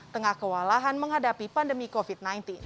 tengah kewalahan menghadapi pandemi covid sembilan belas